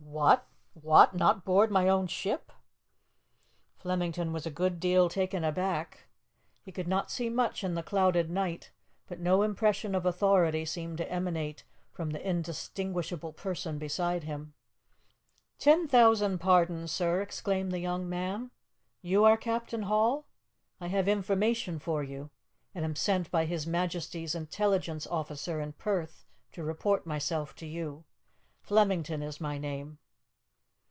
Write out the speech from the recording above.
"What? what? Not board my own ship?" Flemington was a good deal taken aback. He could not see much in the clouded night, but no impression of authority seemed to emanate from the indistinguishable person beside him. "Ten thousand pardons, sir!" exclaimed the young man. "You are Captain Hall? I have information for you, and am sent by His Majesty's intelligence officer in Perth to report myself to you. Flemington is my name."